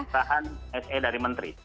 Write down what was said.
setelah dengan perusahaan se dari menteri